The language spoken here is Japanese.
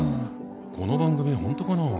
この番組本当かな？